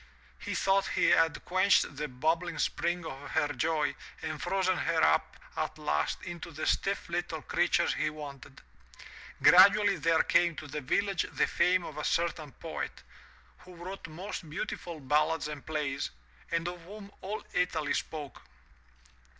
He thought he had quenched the bubbling spring of her joy and frozen her up at last into the stiff little creature he wanted. Gradually there came to the village the fame of a certain poet, who wrote most beautiful ballads and plays, and of whom all Italy spoke.